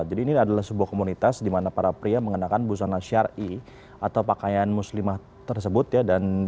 jadi ini adalah sebuah komunitas di mana para pria mengenakan busana syari atau pakaian muslimah tersebut ya